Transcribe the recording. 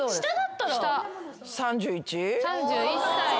３１歳。